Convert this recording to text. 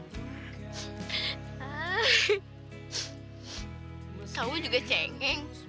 kamu juga cengeng